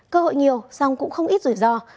cơ hội nhiều song cũng không ít rủi ro